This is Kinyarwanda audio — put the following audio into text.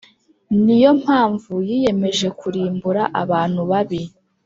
Ni yo mpamvu yiyemeje kurimbura abantu babi